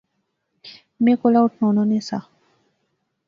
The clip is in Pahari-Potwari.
میں کولا اٹھنونا نہسا